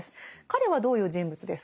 彼はどういう人物ですか？